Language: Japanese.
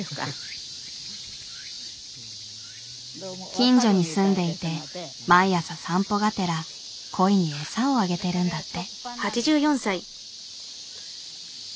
近所に住んでいて毎朝散歩がてらコイにえさをあげてるんだって。